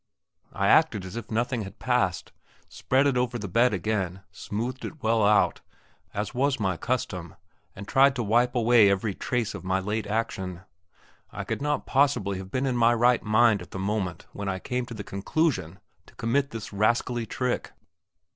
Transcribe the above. I acted as if nothing had passed, spread it over the bed again, smoothed it well out, as was my custom, and tried to wipe away every trace of my late action. I could not possibly have been in my right mind at the moment when I came to the conclusion to commit this rascally trick.